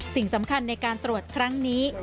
สิ่งสำคัญในการตรวจครั้งนี้